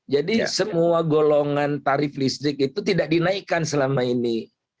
jadi semua golongan tarif listrik itu tidak dinaikkan selama ini